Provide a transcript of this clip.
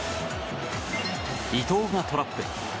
伊東がトラップ。